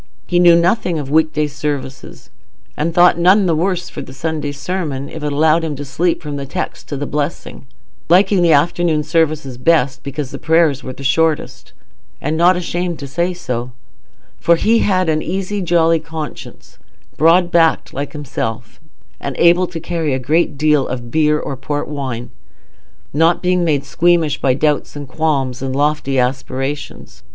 He knew nothing of weekday services, and thought none the worse of the Sunday sermon if it allowed him to sleep from the text to the blessing; liking the afternoon service best, because the prayers were the shortest, and not ashamed to say so; for he had an easy, jolly conscience, broad backed like himself, and able to carry a great deal of beer or port wine, not being made squeamish by doubts and qualms and lofty aspirations.